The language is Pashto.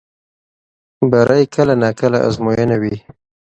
بری کله ناکله ازموینه وي.